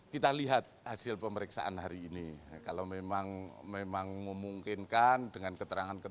kita lihat hasil pemeriksaan hari ini kalau memang memang memungkinkan dengan keterangan